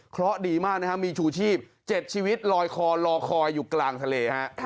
เค้าดีมากนะครับมีชูชีพเจ็ดชีวิตรอยคอยอยู่กลางทะเล